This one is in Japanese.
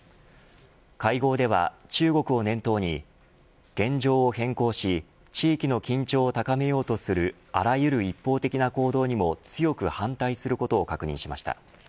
会合では、中国を念頭に現状を変更し地域の緊張を高めようとするあらゆる一方的な行動にも強く反対することを確認しました。